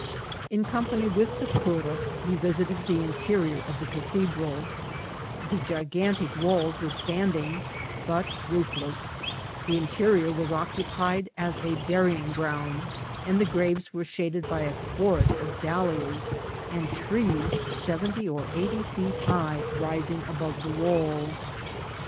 In company with the cura we visited the interior of the CathedraL The gigantic walls were standing, but roofless ; the interior was occupied as a burying ground, and the graves were shaded by a forest of dahlias and trees seventy or eighty feet high, rising above the walls.